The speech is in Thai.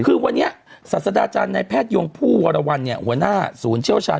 คือวันนี้ศาสดาจารย์ในแพทยงผู้วรวรรณหัวหน้าศูนย์เชี่ยวชาญ